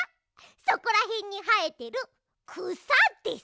そこらへんにはえてるくさです。